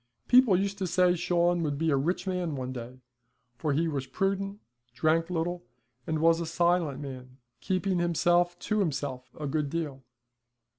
People used to say Shawn would be a rich man one day, for he was prudent, drank little, and was a silent man, keeping himself to himself a good deal.